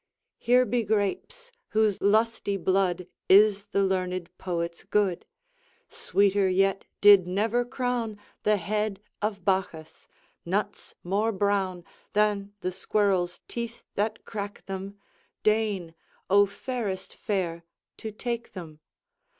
Here be grapes, whose lusty blood Is the learned poet's good; Sweeter yet did never crown The head of Bacchus: nuts more brown Than the squirrels' teeth that crack them; Deign, O fairest fair, to take them.